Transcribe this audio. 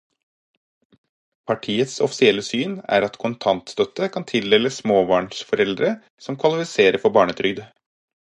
Partiets offisielle syn er at kontantstøtte kan tildeles småbarnsforeldre som kvalifiserer for barnetrygd.